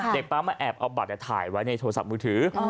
ปั๊มมาแอบเอาบัตรถ่ายไว้ในโทรศัพท์มือถือ